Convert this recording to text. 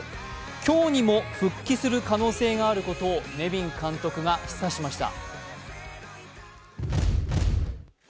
今日にも復帰する可能性があることをネビン監督が示唆しました。